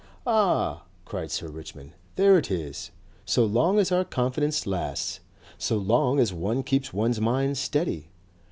"Ah!" cried Sir Richmond. "There it is! So long as our confidence lasts! So long as one keeps one's mind steady.